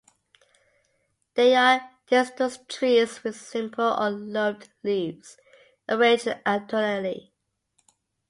They are deciduous trees with simple or lobed leaves, arranged alternately.